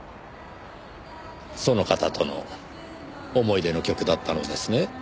その方との思い出の曲だったのですね？